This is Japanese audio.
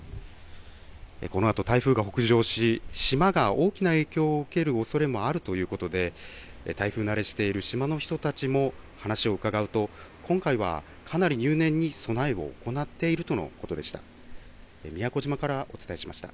このあと台風が北上し、島が大きな影響を受けるおそれもあるということで、台風慣れしている島の人たちも話を伺うと、今回はかなり入念に備えを行っているということでした。